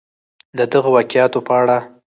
د دغه واقعاتو په اړه